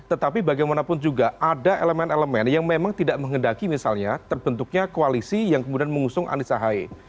elemen yang memang tidak mengendaki misalnya terbentuknya koalisi yang kemudian mengusung anissa haye